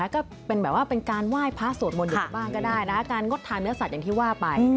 ก็เป็นแบบว่าเป็นการไหว้พระสวดมนต์อยู่ในบ้านก็ได้นะการงดทานเนื้อสัตว์อย่างที่ว่าไป